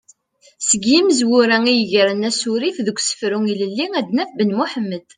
Seg yimezwura i yegren asurif deg usefru ilelli ad naf Ben Muḥemmed.